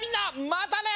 またね！